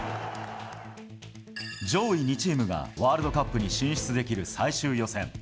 上位２チームがワールドカップに進出できる最終予選。